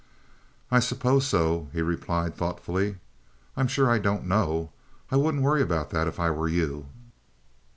"I suppose so," he replied, thoughtfully. "I'm sure I don't know. I wouldn't worry about that if I were you.